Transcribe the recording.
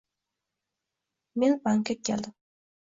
M: Men bankka keldim